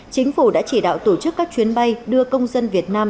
chính phủ đã chỉ đạo tổ chức các chuyến bay đưa công dân việt nam